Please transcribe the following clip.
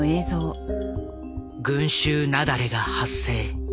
群集雪崩が発生。